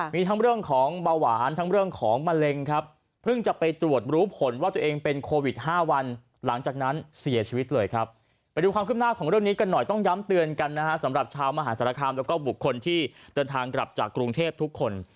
มีทั้งเรื่องของเบาหวานทั้งเรื่องของมะเร็งครับเพิ่งจะไปตรวจรู้ผลว่าตัวเองเป็นโควิด๕วันหลังจากนั้นเสียชีวิตเลยครับไปดูความขึ้นหน้าของเรื่องนี้กันหน่อยต้องย้ำเตือนกันนะฮะสำหรับชาวมหาศาลคามแล้วก็บุคคลที่เดินทางกลับจากกรุงเทพทุกคน